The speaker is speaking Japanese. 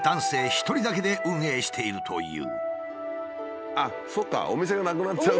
一人だけで運営しているという。